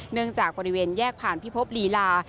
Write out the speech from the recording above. เนื่องจากบริเวณแยกผ่านพิพพฤลีลา